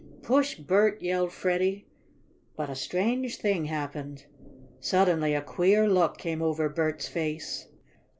"Push, Bert!" yelled Freddie. But a strange thing happened. Suddenly a queer look came over Bert's face.